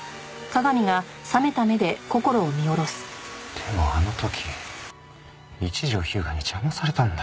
でもあの時一条彪牙に邪魔されたんだ。